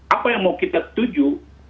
apa yang mau kita tuju